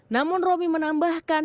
namun romi menambahkan